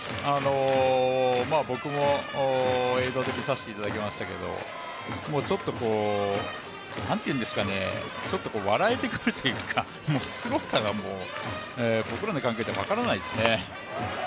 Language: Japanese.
僕も映像で見させていただきましたけどちょっと、何ていうんですかね笑えてくるというか、すごさがもう僕らには分からないですね。